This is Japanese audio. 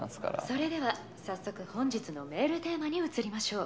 「それでは早速本日のメールテーマに移りましょう」